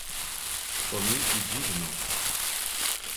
"To mi i dziwno."